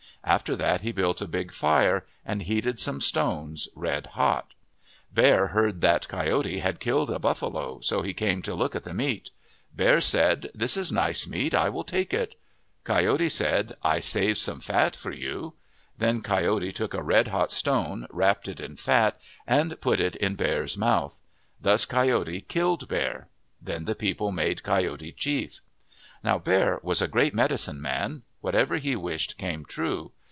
After that he built a big fire and heated some stones red hot. Bear heard that Coyote had killed a buffalo, so he came to look at the meat. Bear said, " This is nice meat. I will take it." Coyote said, " I saved some fat for you." Then Coyote took a red hot stone, wrapped it in fat, and put it in Bear's mouth. Thus Coyote killed Bear. Then the people made Coyote chief. Now Bear was a great medicine man. Whatever he wished came true.